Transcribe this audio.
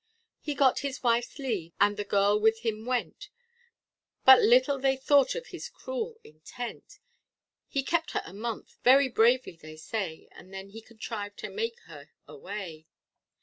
He got his wife's leave, and the girl with him went, But little they thought of his cruel intent: He kept her a month, very bravely, they say, And then he contrived to make her away.